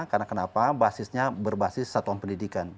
karena kenapa basisnya berbasis satuan pendidikan